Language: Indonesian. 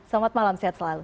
terima kasih atas lalu